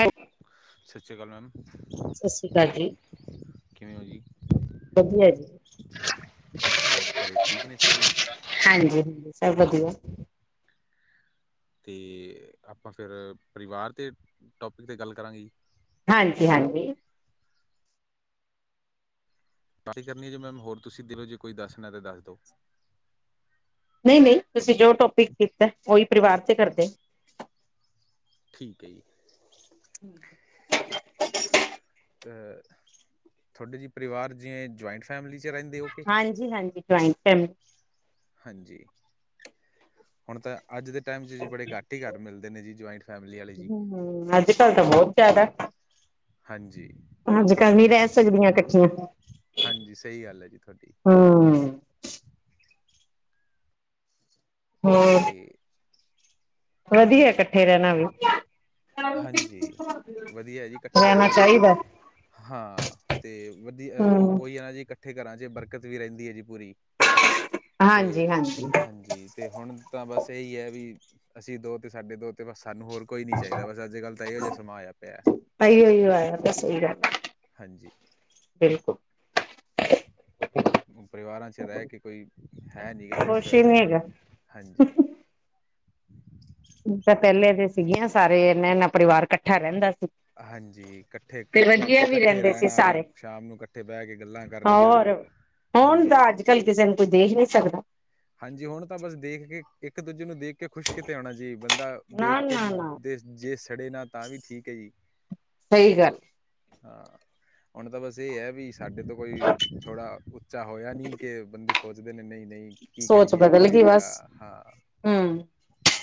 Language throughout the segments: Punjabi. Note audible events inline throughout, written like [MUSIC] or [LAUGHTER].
ਹੈ। ਸਤਿ। ਸ੍ਰੀ। ਅਕਾਲ। ਮੈਮ। ਸਤਿ ਸ੍ਰੀ ਅਕਾਲ ਜੀ ਕਿਵੇੰ ਹੋ ਜੀ। ਵਧੀਆ ਜੀ ਹੋਰ। ਘਰੇ। ਠੀਕ। ਨੇ। ਸਾਰੇ। ਜੀ। ਹਾਂਜੀ-ਹਾਂਜੀ। ਸਭ। ਵਧੀਆ। ਤੇ। ਆਪਾਂ। ਫਿਰ। ਪਰਿਵਾਰ। ਦੇ। ਟੋਪਿਕ। 'ਤੇ। ਗੱਲ। ਕਰਾਂਗੇ। ਹਾਂਜੀ-ਹਾਂਜੀ। ਬਾ। ਕਰਨੀ। ਹੈ।। ਜੇ। ਮੈਮ। ਹੋਰ। ਤੁਸੀਂ। ਦਿਲੋ। ਜੇ। ਕੋਈ। ਦੱਸਣਾ। ਤਾਂ। ਦੱਸ। ਦਿਓ। ਨਹੀਂ-ਨਹੀਂ। ਤੁਸੀਂ। ਜੋ। ਟੋਪਿਕ। ਕੀਤਾ। ਉਹੀ। ਪਰਿਵਾਰ। ਤੇ। ਕਰਦੇ। ਠੀਕ। ਹੈ। ਜੀ। ਹਮ। ਅ। ਤੁਹਾਡੇ। ਜੀ। ਪਰਿਵਾਰ। ਜਿਵੇਂ। ਜੁਆਇੰਟ। ਫੈਮਿਲੀ। 'ਚ। ਰਹਿੰਦੇ। ਹੋ। ਕੇ ਹਾਂਜੀ-ਹਾਂਜੀ ਜੁਆਇੰਟ ਫੈਮ ਹਾਂਜੀ। ਹੁਣ ਤਾਂ ਅੱਜ ਦੇ ਟਾਈਮ ਚ ਜੀ ਬੜੇ ਘੱਟ ਹੀ ਘਰ ਮਿਲਦੇ ਨੇ ਜੀ ਜੁਆਇੰਟ ਫੈਮਿਲੀ ਵਾਲੇ ਜੀ ਹਾਂ। ਤਾਂ ਬਹੁਤ ਜ਼ਿਆਦਾ ਹਾਂਜੀ। ਹੱਜਕੱਲ ਨੀ ਰਹਿ ਸਕਦੀਆਂ ਇਕੱਠੀਆਂ ਹਾਂਜੀ ਸਹੀ ਗੱਲ ਹੈ ਜੀ ਤੁਹਾਡੀ ਹਮ ਹਾਂ। ਵਧੀਆ ਇਕੱਠੇ ਰਹਿਣਾ ਵੀ। ਹਾਂਜੀ ਵਧੀਆ ਜੀ ਇਕੱਠਾ ਰਹਿਣਾ ਹਾਂ ਤੇ ਵਧੀਆ ਹਮ ਉਹੀ ਹੈ ਨਾ ਜੀ ਇਕ ਇਕੱਠੇ ਘਰਾਂ 'ਚ ਬਰਕਤ ਵੀ ਰਹਿੰਦੀ ਹੈ ਜੀ ਪੂਰੀ ਤੇ ਹਾਂਜੀ ਹਾਂਜੀ ਹਾਂਜੀ ਤੇ ਹੁਣ ਤਾਂ ਬਸ ਇਹੀ ਹੈ ਵੀ ਅਸੀਂ ਦੋ ਤੇ ਸਾਡੇ ਦੋ ਤੇ ਬਸ ਸਾਨੂੰ ਹੋਰ ਕੋਈ ਨੀ ਚਾਹੀਦਾ ਬਸ ਅੱਜ ਕੱਲ੍ਹ ਤਾਂ ਇਹੋ ਜਿਹਾ ਸਮਾ ਆਇਆ ਪਿਆ ਆਓ ਇਓ ਆ ਬਸ ਇਹੀ ਗੱਲ ਹਾਂਜੀ। ਬਿਲਕੁਲ ਪਰਿਵਾਰਾਂ ਚ ਰਹਿ ਕੇ ਕੋਈ ਹੈ ਨਹੀਂ ਗਾ ਖੁਸ਼ ਕੁਛ ਹੀ ਵੈਸੇ ਨੀ ਹੈਗਾ ਹਾਂਜੀ। ਤਾਂ ਪਹਿਲੇ ਤਾਂ ਸੀਗੀਆਂ ਸਾਰੇ ਇਹਨਾਂ ਇਨਾ ਪਰਿਵਾਰ ਇਕੱਠਾ ਰਹਿੰਦਾ ਸੀ। ਹਾਂਜੀ ਇਕੱਠੇ ਤੇ ਕੱਠ ਵਧੀਆ ਵੀ ਇਕੱਠੇ ਰਹਿੰਦੇ ਸੀ ਰਹਿਣਾ ਸਾਰੇ ਸ਼ਾਮ ਨੂੰ ਇਕੱਠੇ ਬਹਿ ਕੇ ਗੱਲਾਂ ਕਰਨੀਆਂ ਹੋਰ ਹੁਣ ਹਾਂਜੀ ਤਾਂ ਅੱਜ ਕੱਲ ਕਿਸੇ ਨੂੰ ਕੋਈ ਦੇਖ ਨਹੀਂ ਸਕਦਾ ਹਾਂਜੀ ਹੁਣ ਤਾਂ ਬਸ ਦੇਖ ਕੇ ਇੱਕ ਦੂਜੇ ਨੂੰ ਦੇਖ ਕੇ ਖੁਸ਼ ਕਿਤੇ ਆਉਣਾ ਜੀ ਬੰਦਾ ਨਾ ਦੇਖ ਕੇ ਨਾ ਨਾ ਦੇ ਜੇ ਸੜੇ ਨਾ ਤਾਂ ਵੀ ਠੀਕ ਹੈ ਜੀ ਸਹੀ ਗੱਲ ਹਾਂ ਹੁਣ ਤਾਂ ਬਸ ਇਹ ਹੈ ਵੀ ਸਾਡੇ ਤੋਂ ਕੋਈ ਥੋੜ੍ਹਾ ਉੱਚਾ ਹੋਇਆ ਨਹੀਂ ਕਿ ਬੰਦੇ ਸੋਚਦੇ ਨੇ ਨਹੀਂ- ਕੀ ਸੋਚ ਕਰੀਏ ਬਦਲ ਕਿਵੇਂ ਗਈ ਹੋਇਆ ਬਸ ਹਾਂ ਹਮ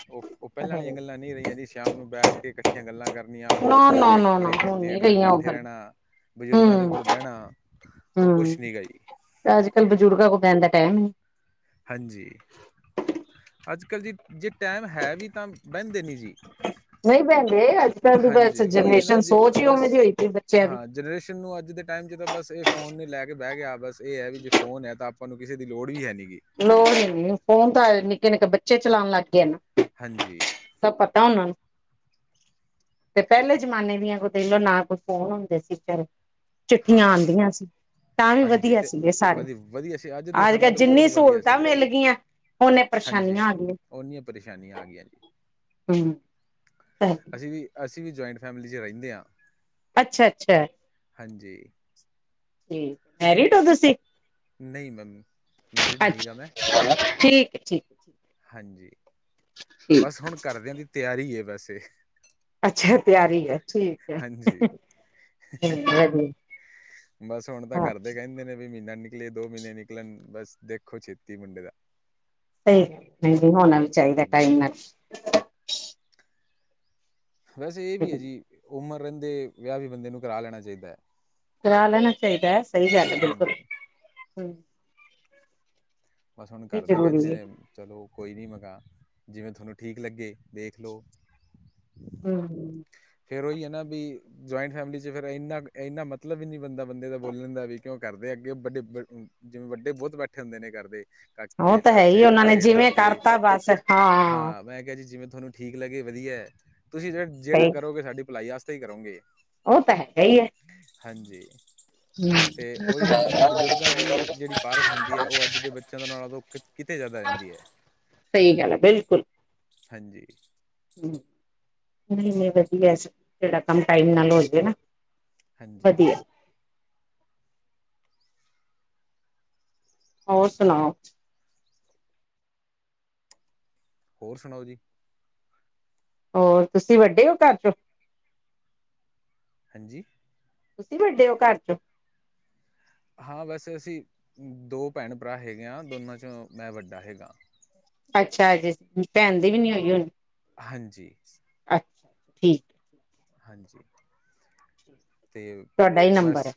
ਉਹ-ਉਹ ਪਹਿਲਾਂ ਵਾਲੀਆਂ ਗੱਲਾਂ ਨਹੀਂ ਰਹੀਆਂ ਜੀ ਸ਼ਾਮ ਨੂੰ ਬੈਠ ਕੇ ਇਕੱਠੀਆਂ ਗੱਲਾਂ ਕਰਨੀਆਂ ਨਾ ਨਾ ਲੇਟ ਨਾ ਨਾ ਲੇ ਹੁਣ ਨੀ ਲੇਟ ਤੱਕ ਰਹੀਆਂ ਉਹ ਬੈਠੇ ਗੱਲ ਰਹਿਣਾ ਬਜ਼ੁਰਗਾਂ ਦੇ ਹਮ ਕੋਲ ਬਹਿਣਾ ਉਹ ਹਮ ਕੁਛ ਨਹੀਂ ਗਾ ਜੀ ਅੱਜ ਕੱਲ ਬਜ਼ੁਰਗਾਂ ਕੋਲ ਬਹਿਨ ਦਾ ਟਾਈਮ ਹੀ ਨਹੀਂ ਹਾਂਜੀ, ਅੱਜ ਕੱਲ੍ਹ ਜੀ ਜੇ ਟਾਈਮ ਹੈ ਵੀ ਤਾਂ ਬਹਿੰਦੇ ਨਹੀਂ ਜੀ। ਨਹੀਂ ਬਹਿੰਦੇ ਅੱਜ ਕੱਲ ਦੀ ਬਸ ਹਾਂਜੀ, ਉਹੀ ਹੈ ਨਾ ਜਨਰੇਸ਼ਨ ਜੇ ਸੋਚ ਹੀ ਬਸ ਉਵੇਂ ਦੀ ਹੋਈ ਪਈ ਬੱਚਿਆਂ ਦੀ ਹਾਂ ਜਨਰੇਸ਼ਨ ਨੂੰ ਅੱਜ ਦੇ ਟਾਈਮ ਚ ਤਾਂ ਬਸ ਇਹ ਫੋਨ ਨ ਲੈ ਕੇ ਬਹਿ ਗਿਆ, ਬਸ ਇਹ ਹੈ ਵੀ ਜੇ ਫੋਨ ਹੈ ਤਾਂ ਆਪ ਤੁਹਾਨੂੰ ਕਿਸੇ ਦੀ ਲੋੜ ਵੀ ਹੈ ਨੀ ਗੀ ਲੋੜ ਹੀ ਨੀ, ਫੋਨ ਤਾਂ ਆ ਨਿੱਕੇ -ਨਿੱਕੇ ਬੱਚੇ ਚਲਾਉਣ ਲੱਗ ਗਏ ਨਾ ਹਾਂਜੀ ਸਭ ਪਤਾ ਉਹਨਾਂ ਨੂੰ ਤੇ ਪਹਿਲੇ ਜਮਾਨੇ ਦੀਆਂ ਕੋ, ਦੇਖਲੋ ਨਾ ਕੋਈ ਫੋਨ ਹੁੰਦੇ ਸੀ। ਚਿੱਠੀਆਂ ਹਾਂ ਆਉਂਦੀਆਂ ਸੀ, ਤਾਂ ਵੀ ਹਾਂਜੀ ਵਧੀਆ ਤੇ ਸੀ ਇਹ ਸਾਰੇ, ਵਧੀ ਵਧੀਆ ਸੀ ਦੇ ਅੱਜ ਸਮੇਂ ਕੱਲ ਤੋਂ ਬਹੁਤ ਜਿੰਨੀ ਵਧੀਆ ਸਹੂਲਤਾਂ ਸੀਗਾ ਜੀ ਮਿਲ ਗਈਆਂ, ਓਨੇ ਹਾਂਜੀ ਪਰੇਸ਼ਾਨੀਆਂ ਆ ਗਈਆਂ ਓਨੀਆਂ ਪਰੇਸ਼ਾਨੀਆਂ ਆ ਗਈਆਂ ਜੀ ਹਮ ਅਸੀਂ ਵੀ, ਅਸੀਂ ਵੀ ਜੁਆਇੰਟ ਫੈਮਿਲੀ ਚ ਰਹਿੰਦੇ ਹਾਂ। ਅੱਛਾ- ਅੱਛਾ ਹਾਂਜੀ ਠੀਕ, ਮੈਰਿਡ ਹੋ ਤੁਸੀਂ ਨਹੀਂ ਮੈਮ, ਮੈਰਿਡ ਅੱਛਾ ਨੀਗਾ ਮੈਂ, ਠੀਕ ਹੈ ਠੀਕ ਹੈ ਹਾਂਜੀ ਬਸ ਹੁਣ ਘਰਦਿਆਂ ਦੀ ਤਿਆਰੀ ਹੈਂ, ਬਸ ਅੱਛਾ ਤਿਆਰੀ ਹੈ, ਠੀਕ ਹੈ ਵਧੀਆ ਬਸ ਹੁਣ ਤਾਂ ਹਾਂ ਕਰਦੇ ਕਹਿੰਦੇ ਨੇ ਵੀ ਮਹੀਨਾ ਨੀ ਅਗਲੇ ਦੋ ਮਹੀਨੇ ਨਿਕਲਣ, ਬਸ ਦੇਖੋ ਛੇਤੀ ਮੁੰਡੇ ਦਾ ਸਹੀ, ਨਹੀਂ-ਨਹੀਂ ਹੋਣਾ ਵੀ ਚਾਹੀਦਾ, ਹਾਂਜੀ ਟਾਈਮ ਨਾਲ। [UNINTELLIGIBLE] ਵੈਸੇ ਇਹ ਵੀ ਐ ਜੀ, ਉਮਰ ਰਹਿੰਦੇ ਵਿਆਹ ਵੀ ਬੰਦੇ ਨੂੰ ਕਰਾ ਲੈਣਾ ਚਾਹੀਦਾ। ਕਰਰਾ ਲੈਣਾ ਚਾਹੀਦਾ, ਸਹੀ ਗੱਲ ਹੈ ਬਿਲਕੁਲ। ਹਮ ਹੂੰ ਬਸ ਹੁਣ ਵੀ ਘਰਦੇ ਕਹਿੰਦੇ ਜ਼ਰੂਰੀ ਹੈ ਨੇ ਚਲੋ ਕੋਈ ਨਹੀਂ ਮ ਕਾ, ਜਿਵੇਂ ਥੋਨੂੰ ਠੀਕ ਲੱਗੇ, ਦੇਖਲੋ। ਹੂੰ, ਹੂੰ। ਫਿਰ ਉਹੀ ਹੈ ਨਾ, ਬੀ ਜੁਆਇੰਟ ਫੈਮਲੀ'ਚ ਫਿਰ ਇਨਾ, ਇੰਨਾ ਮਤਲਬ ਵੀ ਨੀ ਬਨਦਾ ਬੰਦੇ ਦਾ ਬੋਲਣ ਦਾ ਵੀ ਕਿਉਂ ਘਰਦੇ ਅੱਗੇ, ਵੱਡੇ ਜਿਵੇਂ ਵੱਡੇ ਬਹੁਤ ਬੈਠੇ ਹੁੰਦੇ ਨੇ, ਘਰਦੇ। ਉਹ ਕਾਕੇ, ਤਾਂ ਹੈ ਹੀ ਚਾਚੇ, ਉਹਨਾਂ ਨੇ ਤਾਏ, ਜਿਵੇਂ ਦਾਦੇ ਕਰਤਾ ਬਸ ਹਾਂ, ਮੈਂ ਕਿਹਾ ਜੀ ਜਿਵੇਂ ਥੋਨੂੰ ਠੀਕ ਲੱਗੇ ਵਧੀਆ ਐ, ਤੁਸੀਂ ਜਿਹੜਾ ਸਹੀ ਕਰੋਗੇ ਸਾਡੀ ਭਲਾਈ ਵਾਸਤੇ ਹੀ ਕਰੋਂਗੇ। ਉਹ ਤਾ, ਹੈਗਾ ਹੀ ਹੈ। ਹਾਂਜੀ! ਹਮ ਤੇ, ਉਹੀਆ ਨਾ ਬੀ ਬਜ਼ੁਰਗਾਂ ਦੀ ਜਿਹੜੀ ਪਾਰਖ ਹੁੰਦੀ ਐ, ਉਹ ਅੱਜ ਦੇ ਬੱ ਚਿਆਂ ਨਾਲੋ ਕਿ, ਕਿਤੇ ਜ਼ਿਆਦਾ ਰਹਿੰਦੀ ਹੈ, ਸਹੀ ਗੱਲ ਹੈ ਹਾਂਜੀ। ਹੂੰ, ਨਹੀਂ-ਨਹੀਂ ਵਧੀਆ, ਜਿਹੜਾ ਕੰਮ ਟਾਈਮ ਨਾਲ ਹੋਜੇ ਨਾ ਹਾਂਜੀ। ਵਧੀਆ ਹੋਰ ਸੁਣਾਓ? ਹੋਰ, ਸੁਣਾਓ ਜੀ? ਹੋਰ, ਤੁਸੀਂ ਵੱਡੇ ਹੋ ਘਰ'ਚੋ? ਹਾਂਜੀ? ਤੁਸੀਂ ਵੱਡੇ ਹੋ ਘਰ'ਚੋਂ? ਹਾਂ, ਬਹ ਅਸੀਂ ਦੋ ਭੈਣ-ਭਰਾ ਹੈਗੇ ਹਾਂ, ਦੋਨਾਂ 'ਚੋਂ ਮੈਂ ਵੱਡਾ ਹੈਗਾ। ਅੱਛਾ ਜੀ, ਭੈਣ ਦੀ ਵੀ ਨੀ ਹੋਈ ਹੋਣੀ। ਹਾਂਜੀ। ਅੱਛਾ, ਠੀਕ। ਹਾਂਜੀ, ਤੇ, ਤੁਹਾਡਾ ਹੀ ਬਸ ਨੰਬਰ ਹੈ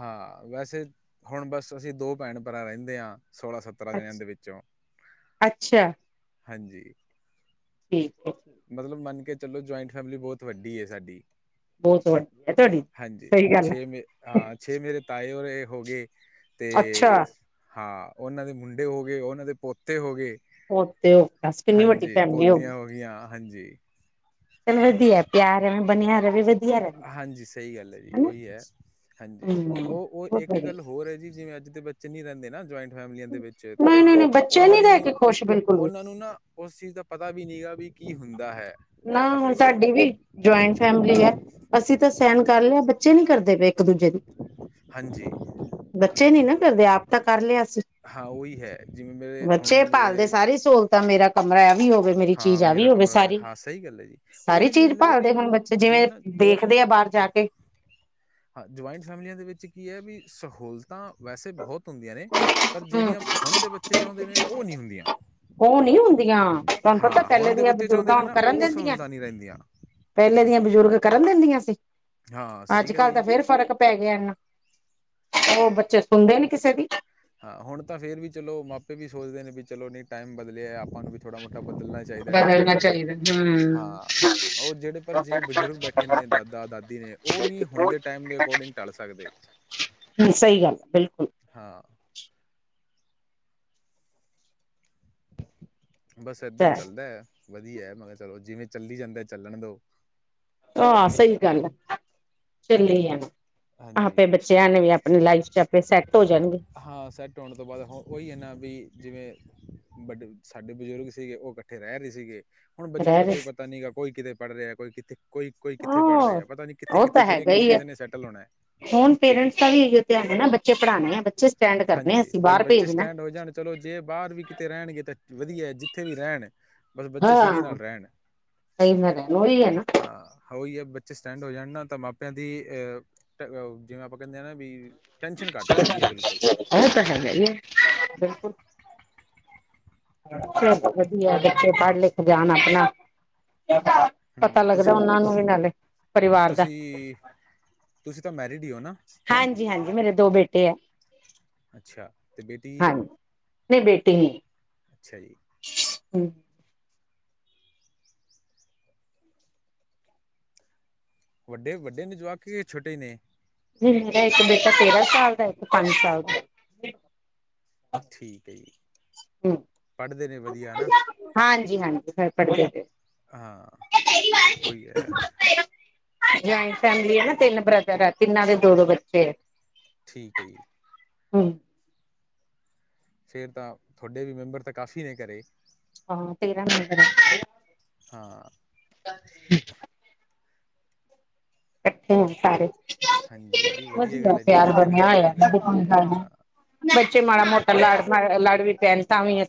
ਹਾਂ, ਵੈਸੇ ਹੁਣ ਬਸ ਅਸੀਂ ਦੋ ਭੈਣ-ਭਰਾ ਰਹਿੰਦੇ ਹਾਂ, ਸੋਲਾਂ-ਸੱਤ ਤਰ੍ਹਾਂ ਜਣਿਆਂ ਦੇ ਅੱਛਾ ਵਿੱਚੋਂ, ਅੱਛਾ ਹਾਂਜੀ। ਠੀਕ ਮਤਲਬ ਮੰਨ ਕੇ ਚਲੋ, ਜੁਆਇੰਟ ਫੈਮਿਲੀ ਬਹੁਤ ਵੱਡੀ ਹੈ, ਸਾਡੀ। ਬਹੁਤ ਵੱਡੀ ਹੈ ਤੁਹਾਡੀ ਹਾਂਜੀ, ਸਹੀ ਗੱਲ ਛੇ ਮੇ ਹਾਂ, ਛੇ ਮੇਰੇ ਤਾਏ ਰੇ ਹੋ ਗਏ, ਤੇ ਹੈ ਅੱਛਾ ਹਾਂ, ਓਨਾਂ ਦੇ ਮੁੰਡੇ ਹੋ ਗਏ, ਓਨਾਂ ਦੇ ਪੋਤੇ ਹੋ ਗੇ। ਉਹ ਤੇ ਉਹ ਦੱਸ ਕਿੰਨੀ ਵੱਡੀ ਹਾਂਜੀ, ਫੈਮਿਲੀ ਗਈ ਪੋਤੀਆਂ ਹੋ ਗੀਆਂ, ਹਾਂਜੀ। ਚੱਲ ਵਧੀਆ, ਪੇਆਰ ਐਂਵੇ ਬਨਿਆ ਰਵੇ ਵਧੀਆ। ਰਹਿੰਦਾ ਹਾਂਜੀ, ਸਈ ਗੱਲ ਐ ਜੀ ਹਨਾ ਓਈ ਐ। ਹਾਂਜੀ, ਹਮ ਓ -ਓ ਬਹੁਤ ਇੱਕ ਗੱਲ ਵਧੀਆ ਹੋਰ ਐ ਜੀ, ਜਿਵੇਂ, ਅੱਜ ਦੇ ਬੱ ਚ ਨੀ ਰਹਿੰਦੇ ਨਾ ਜੁਆਇੰਟ ਫੈਮਲੀਆਂ ਦੇ ਵਿੱਚ ਤਾਂ ਨਹੀਂ ਨਹੀਂ ਨਹੀਂ ਬੱਚੇ ਓਨਾ ਨੀ ਨੂੰ ਰਹਿ ਕੇ ਖੁਸ਼ ਬਿਲਕੁਲ ਵੀ ਓਨਾ ਨੂੰ ਨਾ ਉਸ ਚੀਜ਼ ਦਾ ਪਤਾ ਵੀ ਨੀ ਗਾ ਬੀ ਕੀ ਹੁੰਦਾ ਹੈ? ਨਾ ਇਕੱਠਾ ਹੁਣ ਪਰਿਵਾਰ ਸਾਡੀ ਵੀ ਜੁਆਇੰਟ ਫੈਮਿਲੀ ਐ। ਅਸੀਂ ਤਾਂ ਸੈਣ ਕਰ ਲਯਾ ਬੱਚੇ ਨੀ ਕਰਦੇ ਪਏ ਇੱਕ-ਦੂਜੇ ਦੀ ਹਾਂਜੀ ਬੱਚੇ ਨੀ ਨਾ ਕਰਦੇ ਆਪ ਤਾਂ ਕਰ ਲਿਆ ਅਸੀ। ਹਾਂ ਉਹੀ ਹੈ ਜਿਵੇਂ ਮੇਰੇ ਹੁਣ ਮੇਰੇ ਤਾਂ ਮੇਰਾ ਕਮਰਾ ਐ ਵੀ ਹੋਵੇ ਮੇਰੀ ਹਾਂ ਚੀਜ਼ ਐ ਵੀ ਮੇਰਾ ਹੋਵੇ ਕਮਰਾ ਸਾਰੀ। ਹਾਂ ਸਹੀ ਗੱਲ ਹੈ ਜੀ ਸਾਰੀ ਉਹੀ ਚੀਜ਼ ਗੱਲ ਹੈ ਭਾਲਦੇ ਵੀ ਹੁਣ ਬੱਚੇ ਜਿਵੇਂ ਨਾ ਦੇਖਦੇ ਆ ਬਾਰ ਜਾ ਕੇ ਹਾਂ ਜੁਆਇੰਟ ਫੈਮਲੀਆਂ ਦੇ ਵਿੱਚ ਕੀ ਹੈ ਵੀ ਸਹੂਲ ਤਾਂ ਵੈਸੇ ਬਹੁਤ ਹੁੰਦੀਆਂ ਨੇ ਪਰ ਹੂੰ ਜਿਹੜੀਆਂ ਹੁਣ ਦੇ ਵਿੱਚ ਚਾਹੁੰਦੇ ਨੇ ਉਹ ਨਹੀਂ ਹੁੰਦੀਆਂ। ਉਹ ਨਹੀਂ ਹੁੰਦੀਆਂ ਤੁਹਾਨੂੰ ਪਤਾ ਹਾਂ ਹੁਣ ਪਹਿਲੇ ਦੇ ਦੀਆਂ ਬੱਚੇ ਚਾਹੁੰਦੇ ਬਜ਼ੁਰਗਾਂ ਨੇ ਹੁਨ ਨਾ ਕਰਨ ਉਹ ਦਿੰਦੀਆਂ। ਸਹੂਲਤਾਂ ਨਹੀਂ ਰਹਿੰਦੀਆਂ ਪਹਿਲੇ ਦੀਆਂ ਬਜ਼ੁਰਗ ਕਰਨ ਦਿੰਦੀਆਂ ਸੀ ਹਾਂ ਅੱਜ ਸਹੀ ਗੱਲ ਹੈ ਕੱਲ੍ਹ ਤਾਂ ਜੀ ਫੇਰ ਫ਼ਰਕ ਪੈ ਗਿਆ ਨਾ ਉਹ ਬੱਚੇ ਸੁਨਦੇ ਨੀ ਕਿਸੇ ਦੀ। ਹਾਂ ਹੁਣ ਤਾਂ ਫੇਰ ਵੀ ਚਲੋ ਮਾਪੇ ਵੀ ਸੋਚਦੇ ਨੇ ਵੀ ਚਲੋ ਨਹੀਂ ਟਾਈਮ ਬਦਲਿਆ ਆਪਾਂ ਨੂੰ ਵੀ ਥੋੜਾ ਮੋਟਾ ਬਦਲਨਾ ਚਾਹੀਦਾ ਟਾਈਮ ਦੇ ਬਦਲਣਾ ਨਾਲ ਇਹ ਚਾਹੀਦਾ ਹਾਂ ਉਹ ਜਿਹੜੇ ਪਰ ਜਿਵੇਂ ਬਜ਼ੁਰਗ ਬੈਠ। ਬੈਠੇ ਨੇ ਦਾਦਾ ਦਾਦੀ ਨੇ ਉਹ ਨੀ ਹੁਣ ਦੇ ਟਾਈਮ ਦੇ ਅਕੋਰਡਿੰਗ ਢਲ ਸਕਦੇ। ਸਹੀ ਗੱਲ ਬਿਲਕੁਲ ਹਾਂ ਬਸ ਏਦਾਂ ਹੀ ਚੱਲਦਾ ਵਧੀਆ ਹੈ ਮੈਂ ਕਿਹਾ ਚਲੋ ਜਿਵੇਂ ਚੱਲੀ ਜਾਂਦਾ ਚੱਲਣ ਦੋ। ਆ ਸਹੀ ਗੱਲ ਆ ਚੱਲੀ ਆਣਾ ਹਾਂ ਹਾਂਜੀ ਫੇਰ ਬੱਚਿਆਂ ਨੇ ਵੀ ਅਪਨੀ ਲਾਈਫ ਚ ਆਪੇ ਸੈਟ ਹੋ ਜਾਨਗੇ ਹਾਂ ਸੈੱਟ ਹੋਣ ਤੋਂ ਬਾਅਦ ਹ ਉਹੀ ਏ ਨਾ ਵੀ ਜਿਵੇਂ ਵੱਡੇ ਸਾਡੇ ਬਜ਼ੁਰਗ ਸੀਗੇ ਉਹ ਕੱਠੇ ਰਹਿ ਨੀ ਸੀਗੇ। ਹੁਣ ਬੱਚੇਆਂ ਰਹਿ ਦਾ ਰਹੇ ਕੋਈ ਪਤਾ ਨੀ ਗਾ ਕੋਈ ਕਿਤੇ ਪੜ੍ਹ ਰਿਹਾ ਕੋਈ ਕਿੱਥੇ ਕੋਈ ਕੋਈ ਕਿੱਥੇ ਪੜ੍ਹ ਹਾਂ ਰਿਹਾ ਪਤਾ ਨੀ ਕਿੱਥੇ ਕਿੱਥੋਂ ਕਿਵੇਂ ਕਿਵੇ ਕਿਸੇ ਨੇ ਸੈਟਲ ਹੋਣਾ। ਹੁਨ ਪੇਰੈਂਟਸ ਦਾ ਵੀ ਇਹੋ ਧਿਆਨ ਹੈ ਨਾ ਬੱਚੇ ਪੜ੍ਹਾਣੇ ਆ ਬੱਚੇ ਸਟੈਂਡ ਕਰਨੇ ਹਾਂਜੀ ਅਸੀਂ ਬਈ ਬਾਹਰ ਬੱਚੇ ਭੇਜਨਾ। ਸਟੈਂਡ ਹੋ ਜਾਣ ਚਲੋ ਜੇ ਬਾਹਰ ਵੀ ਕਿਤੇ ਰਹਿਣਗੇ ਤੇ ਵਧੀਆ ਹੈ ਜਿੱਥੇ ਵੀ ਰਹਿਣ ਬਸ ਬੱਚੇ ਸੁਖੀ ਹਾਂ ਨਾਲ ਰਹਣ ਸਹੀ ਮੈਂ ਰਹਿਣ ਉਹੀ ਹੈ ਨਾ ਹਾਂ ਹੋਈ ਹੈ ਬੱਚੇ ਸਟੈਂਡ ਹੋ ਜਾਨ ਨਾ ਤਾਂ ਮਾਪਿਆਂ ਦੀ ਅਹ ਆ ਜਿਵੇਂ ਆਪਾਂ ਕਹਿੰਦੇ ਹ ਨਾ ਵੀ ਟੈਨਸ਼ਨ ਘੱਟ ਜਾਂਦੀ ਹੈ ਬਿਲ ੳਹ ਤਾਂ ਹੈਗਾ ਈ ਏ ਬਿਲਕੁਲ। [INAUDIBLE] ਚ ਵਧੀਆ ਬੱਚੇ ਪੜ੍ਹ ਲਿਖ ਜਾਨ ਅਪਨਾ ਪਤਾ ਹਮ ਲੱਗਦਾ ਉਹਨਾਂ ਨੂੰ ਵੀ ਨਾਲੇ ਪਰਿਵਾਰ ਦਾ। ਕੀ ਤੁਸੀਂ ਤਾਂ ਮੈਰਿਡ ਈ ੳ ਨਾ ਹਾਂਜੀ ਹਾਂਜੀ ਮੇਰੇ ਦੋ ਬੇਟੇ ਏ। ਅੱਛਾ ਤੇ ਬੇਟੀ ਹਾਂਜ ਨਹੀਂ ਬੇਟੀ ਨੀ ਅੱਛਾ ਜੀ ਹੁ। ਵੱਡੇ ਵੱਡੇ ਨੇ ਜਵਾਕ ਕੇ ਛੋਟੇ ਨੇ ਜਰੇ ਆਏਤ ਬੇਟਾ ਤੇਹਰਾ ਸਾਲ ਰ ਆਏ [UNINTELLIGIBLE] ਤ ਪ ਪੰਜ ਸਾਲ ਠੀਕ ਹੈ ਜੀ। ਹਮ ਪੜ੍ਹਦੇ ਨੇ ਵਧੀਆ ਨਾ ਹਾਂਜੀ-ਹਾਂਜੀ ਫੜਕੇ ਫ ਹਾਂ ਉਹੀ ਹੈ [UNINTELLIGIBLE] ਜੁਆਇੰਟ ਫੈਮਿਲੀ ਆ ਨਾ ਤਿੰਨ ਬ੍ਰਦਰ ਐ ਤਿੰਨਾਂ ਦੇ ਦੋ-ਦੋ ਬੱਚੇ ਠੀਕ ਐ ਜੀ। ਹਮ ਫੇ਼ਰ ਤਾਂ ਥੋਡੇ ਵੀ ਮੈਂਬਰ ਤਾਂ ਕਾਫੀ਼ ਨੇ ਘਰੇ ਹਾਂ ਤੇਰਾਂ ਮੈਂਬਰ ਐ। ਹਾਂ। [INAUDIBLE] ਕੱਠੇ ਆ ਸਾਰੇ ਹਾਂਜੀ ਦੀ ਵਧੀਆ ਗੱਲ ਹੈ ਜੀ ਪਿਆਰ ਇਕੱਠੇ ਬਣਿਆ ਰਹਿਣਾ ਚਾਹੀਦਾ ਹੈ ਹੋਇਆ ਹਾਂ ਬੱਚੇ ਮਾੜਾ-ਮੋਟਾ ਲੜ, ਲੜ ਵੀ ਪੈਣ ਤਾਂ ਵੀ ਅਸ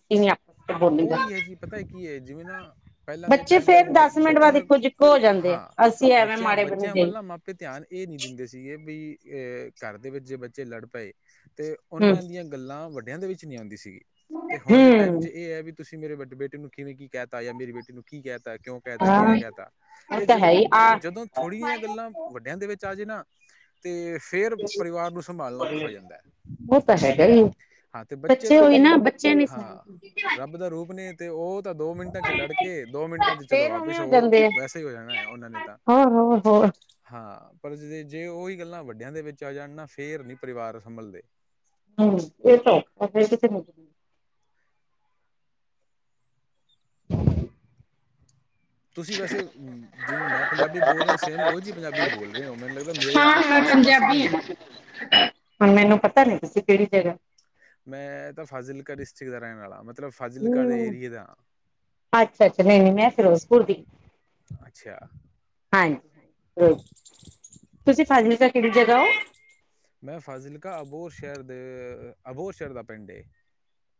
ਉਈ ਐ ਜੀ ਪਤਾ ਏ ਕੀ ਏ ਜਿਵੇ ਨਾ ਪਹਿਲਾਂ ਦੇ ਬੱਚੇ ਟੈਮ 'ਚ ਫੇਰ ਮਾ ਦਸ ਮਿੰਟ ਬਾਅਦ ਬੱਚਿਆਂ ਇੱਕੋ ਜਿੱਕੋ ਹੋ ਜਾਂਦੇ ਹਾਂ ਆ ਅਸੀਂ ਐਵੇਂ ਬੱਚਿਆਂ ਮਾੜੇ ਬਣੇ ਬੱਚਿਆਂ ਜਾਈ ਵੱਲ ਨਾ ਮਾਪ ਤੇ ਧਿਆਨ ਇਹ ਨੀ ਦਿੰਦੇ ਸੀਗੇ ਬੀ, ਏ ਘਰ ਦੇ ਵਿੱਚ ਜੇ ਬੱਚੇ ਲੜ ਪਏ ਤੇ ਹਮ ਉਹਨਾਂ ਦੀਆਂ ਗੱਲਾਂ ਵੱਡਿਆਂ ਦੇ ਵਿੱਚ ਨੀ ਆਉਂਦੀ ਸੀਗੀ ਤੇ ਹੁਣ ਦੇ ਟੈਮ ਹਮ ਇਹ ਐ ਵੀ ਤੁਸੀਂ ਮੇਰੇ ਵੱਡੇ ਬੇਟੇ ਨੂੰ ਕਿਵੇਂ ਕੀ ਕਹਿਤਾ ਯਾ ਮੇਰੀ ਬੇਟੀ ਨੂੰ ਕੀ ਕਹਿ ਤਾ, ਕਿਉਂ ਕਹਿ ਤਾ, ਹਾਂ ਕਿਵੇਂ ਕਹਿ ਤਾ, ਉਹ ਇਹ ਤਾਂ ਹੈ ਜਦੋਂ ਹੀ ਆ ਜਦੋਂ ਥੋੜ੍ਹੀ ਜੀਆਂ ਗੱਲਾਂ ਵੱਡਿਆਂ ਦੇ ਵਿੱਚ ਆ ਜੇ ਨਾ ਤੇ ਫੇ਼ਰ ਪਰਿਵਾਰ ਨੂੰ ਸੰਭਾਲਣਾ ਔਖਾ ਹੋ ਜਾਂਦੈ। ਉਹ ਤਾਂ ਹੈਗਾ ਹੀ ਹਾਂ ਤੇ ਬੱਚੇ ਦਾ ਹੋਈ ਉਹੀ ਨਾ ਬੱਚੇ ਨੀ ਹਾਂ ਸਹਿਣ ਰੱਬ ਦਾ ਰੂਪ ਨੇ ਤੇ ਓ ਤਾਂ ਦੋ ਮਿੰਟਾਂ 'ਚ ਲੜਕੇ ਦੋ ਮਿੰਟਾਂ 'ਚ ਚਲੋ ਫੇਰ ਉਵੇਂ ਵਾਪਿਸ ਹੋ ਉਹ ਜਾਂਦੇ ਆ ਵੈਸੇ ਹੀ ਹੋ ਜਾਣੈ, ਉਹਨਾਂ ਨੇ ਤਾਂ ਹੋਰ ਹੋਰ ਹੋਰ ਹਾਂ। ਪਰ ਜੇ ਉਹੀ ਗੱਲਾਂ ਵੱਡਿਆਂ ਦੇ ਵਿੱਚ ਆ ਜਾਣ ਨਾ ਫ਼ੇਰ ਨੀ ਪਰਿਵਾਰ ਸੰਭਲਦੇ ਹਮ ਇਹ ਤਾਂ ਕਿ ਤੁਸੀਂ ਵੈਸੇ ਅ ਜਿਵੇਂ ਮੈਂ ਪੰਜਾਬੀ ਬੋਲ ਰਿਆਂ ਸੇਮ ਉਹ ਜਹੀ ਪੰਜਾਬੀ ਬੋਲ ਰੇਂ ਓ ਮੈਨੂੰ ਲੱਗਦਾ ਮੇਰੇ ਆ ਹਾਂ ਆ ਮੈਂ ਆਸੇ-ਪਾਸੇ ਦੇ ਈ ਪੰਜਾਬੀ ਓ ਹਾਂ। ਹੁਣ ਮੈਨੂੰ ਪਤਾ ਨਈਂ ਤੁਸੀਂ ਕਿਹੜੀ ਜਗ੍ਹਾ? ਮੈਂ ਤਾਂ ਫਾਜ਼ਿਲਕਾ ਡਿਸਟਰੀਕ ਦਾ ਰਹਿਣ ਆਲਾ ਮਤ ਹਮ ਅੱਛਾ-ਅੱਛਾ, ਨਈਂ-ਨਈਂ ਮੈਂ ਫਿਰੋਜ਼ਪੁਰ ਦੀ ਅੱਛਾ, ਹਾਂਜੀ ਓ ਤੁਸੀਂ ਫਾਜ਼ਿਲਕਾ ਕਿਹੜੀ ਜਗ੍ਹਾ ਓ? ਮੈਂ ਫਾਜ਼ਿਲਕਾ ਅਬੋਰ ਸ਼ਹਿਰ ਦੇ ਅਬੋਰ ਸ਼ਹਿਰ ਦਾ ਪਿੰਡ ਏ।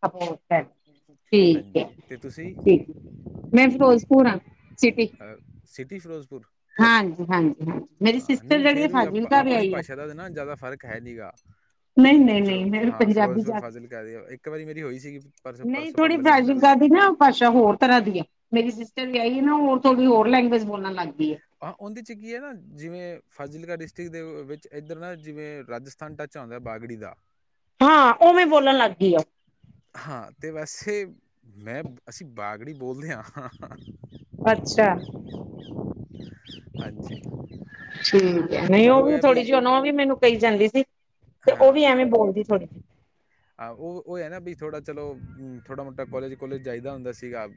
ਅੱਛਾ! ਠੀਕ ਐ ਹਾਂਜੀ ਤੇ ਤੁਸੀਂ ਠੀਕ ਮੈਂ ਫਿਰੋਜ਼ਪੁਰ ਆਂ ਸਿਟੀ ਅ ਸਿਟੀ ਫਿਰੋਜ਼ਪੁਰ? ਹਾਂਜੀ ਹਾਂਜੀ ਹਾਂਜੀ ਮੇਰੀ ਹਾਂ ਸਿਸਟਰ ਨਹੀਂ ਜਿਹੜੀ ਹੈ ਫੇ਼ਰ ਵੀ ਆਪ ਫਾਜ਼ਿਲਕਾ ਆਪਣੀ ਵਿਆਹੀ ਹੈ। ਭਾਸ਼ਾ ਦਾ ਨਾ ਜ਼ਿਆਦਾ ਫ਼ਰਕ ਕਹਿ ਦੇਗਾ ਨਹੀਂ ਨਹੀਂ ਫਿਰੋ ਨਹੀਂ ਮੈਂ ਹਾਂ ਪੰਜਾਬੀ ਫਿਰੋਜ਼ਪੁਰ ਜਾ ਫਾਜ਼ਿਲਕਾ ਦਿਓ ਇੱਕ ਵਾਰੀ ਮੇਰੀ ਹੋਈ ਸੀਗੀ ਪਰਸੋਂ ਨਹੀਂ -ਪਰਸੋਂ ਥੋੜ੍ਹੀ ਪਰਲੇ ਦਿਨੀ ਗੱਲ ਫਾਜ਼ਿਲਕਾ ਦੀ ਨਾ ਭਾਸ਼ਾ ਹੋਰ ਤਰ੍ਹਾਂ ਦੀ ਐ ਮੇਰੀ ਸਿਸਟਰ ਵਿਆਈ ਨਾ ਹੋਰ ਥੋੜ੍ਹੀ ਹੋਰ ਲੈਂਗੁਏਜ਼ ਬੋਲਣ ਲੱਗ ਗੀ ਐ ਹਾਂ ਉਹਦੇਂ 'ਚ ਕੀ ਐ ਨਾ ਜਿਵੇਂ ਫਾਜ਼ਿਲਕਾ ਡਿਸਟਿਕ ਦੇ ਵਿੱਚ ਇੱਧਰ ਨਾ ਜਿਵੇਂ ਰਾਜਸ ਫਨ ਟੱਚ ਆਉਂਦਾ ਬਾਗੜੀ ਦਾ। ਹਾਂ ਓਵੇਂ ਬੋਲਣ ਲੱਗ ਗਈ ਆ ਹਾਂ ਤੇ ਵੈਸੇ ਮੈਂ ਅਸੀਂ ਬਾਗੜੀ ਬੋਲਦੇ ਆਂ। ਅੱਛਾ! ਹਾਂਜੀ। ਠੀਕ ਐ ਨਈਂ ਉਹ ਵੀ ਥੋੜੀ-ਜਿਹੀ ਉਹਨੂੰ ਉਹ ਵੀ ਮੈਨੂੰ ਕਹੀ ਜਾਂਦੀ ਸੀ ਤੇ ਉਹ ਵੀ ਹਾਂ, ਐਵੇਂ ਬੋਲਦੀ ਥੋੜੀ-ਜਿਹੀ ਆ ਓ ਓ ਐ ਨਾ ਬੀ ਥੋੜਾ ਚਲੋ ਥੋੜਾ ਮੋਟਾ ਕੋਲੇਜ਼-ਕੁਲੇਜ਼ ਜਾਈਦਾ ਹੁੰਦਾ ਸੀਗਾ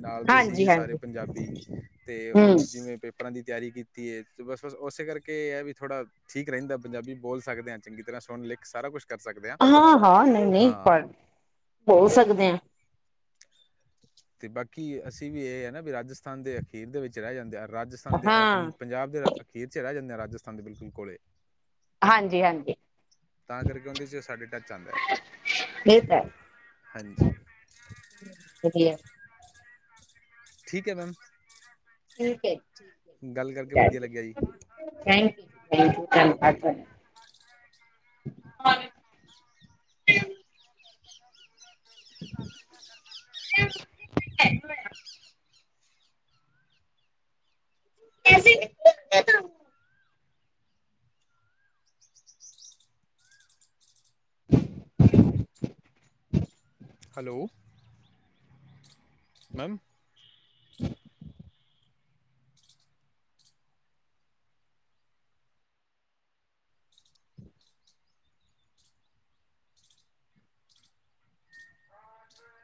ਨਾਲ ਦੇ ਸੀਗੇ ਹਾਂਜੀ ਸਾਰੇ ਹਾਂਜੀ ਪੰਜਾਬੀ ਤੇ ਹਮ ਹੁਣ ਜਿਵੇਂ ਪੇਪ ਪਰਾਂ ਦੀ ਤਿਆਰੀ ਕੀਤੀ ਏ ਬਸ ਬਸ ਉਸੇ ਕਰਕੇ ਏ ਐ ਵੀ ਥੋੜਾ ਠੀਕ ਰਹਿੰਦਾ ਪੰਜਾਬੀ ਬੋਲ ਸਕਦੇ ਆਂ। ਚੰਗੀ ਤਰ੍ਹਾਂ ਸੁਣ-ਲਿਖ ਸਾਰਾ ਕੁਛ ਕਰ ਸਕਦੇ ਆਂ ਹਾਂ-ਹਾਂ, ਨਈਂ-ਨਈਂ ਪੜ੍ਹ ਬੋਲ ਸਕਦੇ ਆਂ। ਤੇ ਬਾਕੀ ਅਸੀਂ ਵੀ ਏ ਐ ਨਾ ਬੀ ਰਾਜਸਥਾਨ ਦੇ ਅਖੀਰ ਦੇ ਵਿੱਚ ਰਹਿ ਜਾਂਦੇ ਆ, ਰਾਜਸਥਾਨ ਦੇ, ਅ, ਹਾਂ ਪੰਜ ਪੰਜਾਬ ਦੇ ਅਖੀਰ'ਚ ਰਹਿ ਜਾਂਦੇ ਆ, ਰਾਜਸਥਾਨ ਦੇ ਬਿਲਕੁਲ ਕੋਲੇ। ਹਾਂਜੀ ਹਾਂਜੀ ਤਾਂ ਕਰਕੇ ਉਂਹਦੇ'ਚ ਸਾਡੇ ਲਗ ਜਾਂਦਾ, ਇਹ ਤਾਂ ਹਾਂਜੀ। ਵਧੀਆ ਠੀਕ ਹੈ, ਮੈਮ। ਠੀਕ ਹੈ ਜੀ, ਗੱਲ ਕਰਕੇ ਬਾਏ। ਵਧੀਆ ਥੈਂਕਯੂ, ਲੱਗਿਆ ਜੀ ਜ ਥੈਂਕ ਯੂ ਧੰਨਵਾਦ ਓਕੇ ਤੁਹਾਡਾ। [UNINTELLIGIBLE] ਪੈਸੇ ਲਿਖਲੇ ਮੈਂ, ਤਾ [INAUDIBLE] ਹੈਲੋ! ਮੈਮ! [UNINTELLIGIBLE]